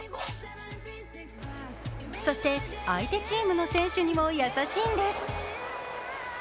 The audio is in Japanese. そして相手チームの選手にも優しいんです。